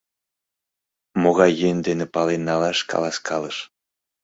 Могай йӧн дене пален налаш — каласкалыш.